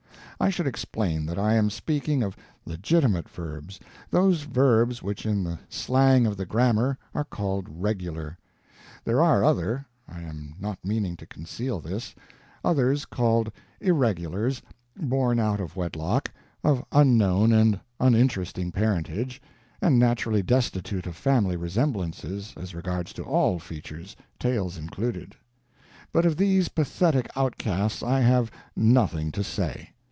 I should explain that I am speaking of legitimate verbs, those verbs which in the slang of the grammar are called Regular. There are others I am not meaning to conceal this; others called Irregulars, born out of wedlock, of unknown and uninteresting parentage, and naturally destitute of family resemblances, as regards to all features, tails included. But of these pathetic outcasts I have nothing to say.